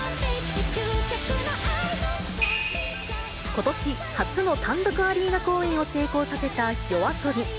ことし、初の単独アリーナ公演を成功させたＹＯＡＳＯＢＩ。